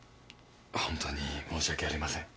ほんとに申し訳ありません。